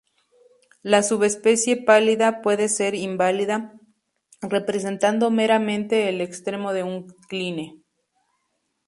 La subespecie "pallida" puede ser inválida, representando meramente el extremo de un cline.